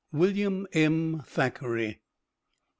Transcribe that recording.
WILLIAM M. THACKERAY TO MR.